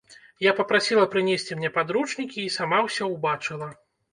Я папрасіла прынесці мне падручнікі і сама ўсё ўбачыла.